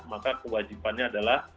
maka kewajibannya adalah